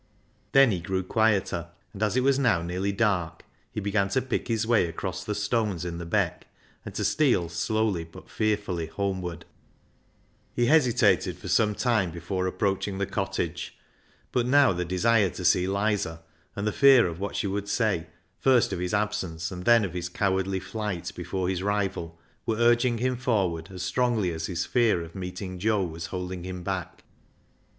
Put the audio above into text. Then he grew quieter, and, as it was now nearly dark, he began to pick his way across the stones in the Beck, and to steal slowly but fearfully homeward. 301 302 BECKSIDE LIGHTS He hesitated for some time before approach ing the cottage, but now the desire to see Lizer, and the fear of what she would say, first of his absence and then of his cowardly flight before his rival, were urging him forward as strongly as his fear of meeting Joe was holding him back.